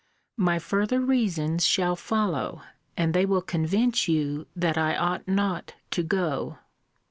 My further reasons shall follow; and they will convince you that I ought not to go.